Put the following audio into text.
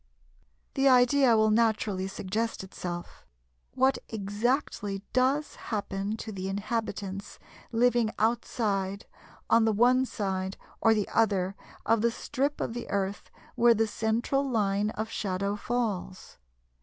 ] The idea will naturally suggest itself, what exactly does happen to the inhabitants living outside (on the one side or the other) of the strip of the Earth where the central line of shadow falls?